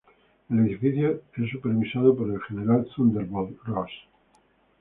El edificio es supervisado por el General "Thunderbolt" Ross.